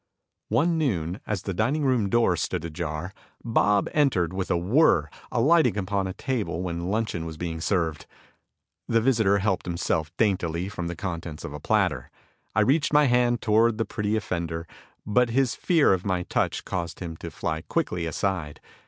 One noon as the dining room door stood ajar, Bob entered with a whirr, alighting upon the table when luncheon was being served. The visitor helped himself daintily from the contents of a platter. I reached my hand toward the pretty offender, but his fear of my touch caused him to fly quickly aside.